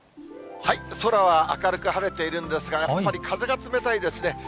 空は明るく晴れているんですが、やっぱり風が冷たいですね。